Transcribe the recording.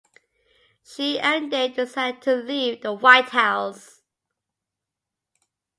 She and Dave decide to leave the White House.